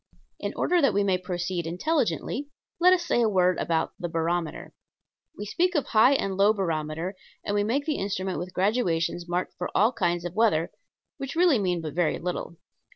In order that we may proceed intelligently, let us say a word about the barometer. We speak of high and low barometer, and we make the instrument with graduations marked for all kinds of weather, which really mean but very little.